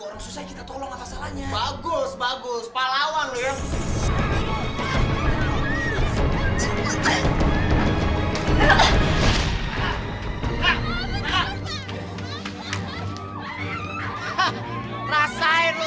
ada kereta ada pesawat